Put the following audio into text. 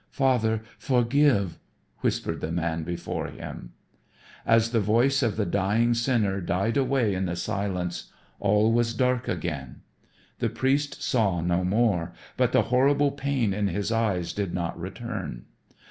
"Father, forgive " whispered the man before him. As the voice of the dying sinner died away in the silence all was dark again. The priest saw no more, but the horrible pain in his eyes did not return.